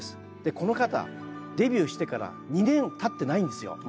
この方デビューしてから２年たってないんですよ。